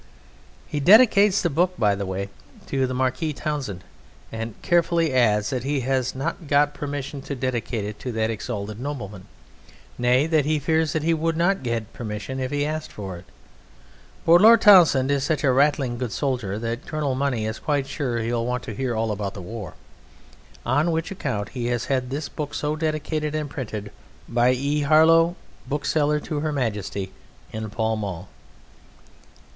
He dedicates the book, by the way, to the Marquis Townshend, and carefully adds that he has not got permission to dedicate it to that exalted nobleman, nay, that he fears that he would not get permission if he asked for it. But Lord Townshend is such a rattling good soldier that Colonel Money is quite sure he will want to hear all about the war. On which account he has this book so dedicated and printed by E. Harlow, bookseller to Her Majesty, in Pall Mall.